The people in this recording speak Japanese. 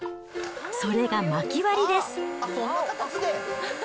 それがまき割りです。